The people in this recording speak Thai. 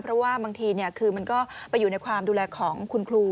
เพราะว่าบางทีคือมันก็ไปอยู่ในความดูแลของคุณครู